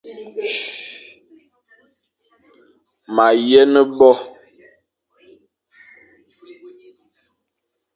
Ma yen bo ;